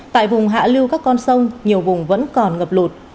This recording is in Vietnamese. tại vùng hạ lưu các con sông nhiều vùng vẫn còn ngập lụt